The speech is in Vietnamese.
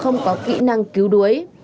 không có kỹ năng cứu đuối